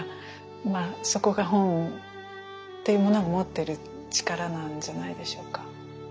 まあそこが本というものが持ってる力なんじゃないでしょうか。